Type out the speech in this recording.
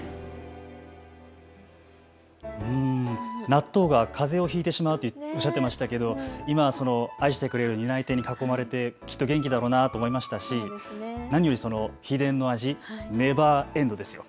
納豆が、かぜをひいてしまうっておっしゃっていましたけど今は愛してくれる担い手に囲まれてきっと元気だろうなと思いましたし、何より秘伝の味、ネバーエンドですよ。